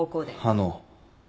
あの。